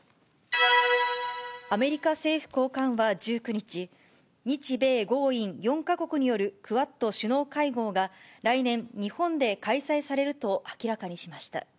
アメリカ政府高官は１９日、日米豪印４か国によるクアッド首脳会合が来年、日本で開催されると明らかにしました。